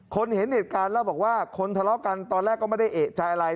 เห็นเหตุการณ์เล่าบอกว่าคนทะเลาะกันตอนแรกก็ไม่ได้เอกใจอะไร